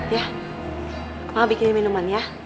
ya mau bikin minuman ya